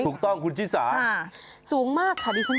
ถูกต้องคุณชิสาสูงมากค่ะดิฉัน